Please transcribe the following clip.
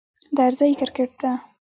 درځی کرکټ ته